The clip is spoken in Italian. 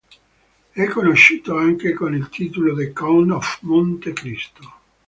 È conosciuto anche con il titolo "The Count of Monte Cristo".